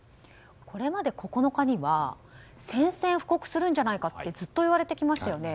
これまで、９日には宣戦布告するんじゃないかとずっといわれてきましたよね。